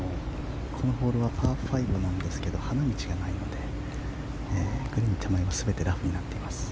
このホールはパー５なんですが花道がないのでグリーン手前は全てラフになっています。